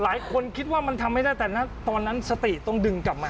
หลายคนคิดว่ามันทำไม่ได้แต่ตอนนั้นสติต้องดึงกลับมา